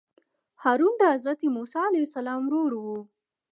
هارون د حضرت موسی علیه السلام ورور وو.